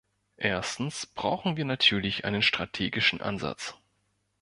Erstens brauchen wir natürlich einen strategischen Ansatz.